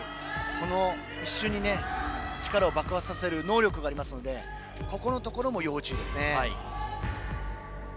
この一瞬に力を爆発させる能力がありますのでここも要注意ですね。